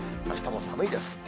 あしたも寒いです。